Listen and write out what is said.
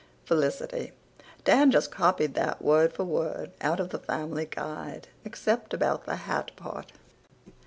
(FELICITY: "Dan just copied that word for word out of the Family Guide, except about the hat part.")